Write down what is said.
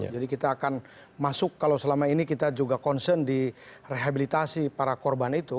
jadi kita akan masuk kalau selama ini kita juga concern di rehabilitasi para korban itu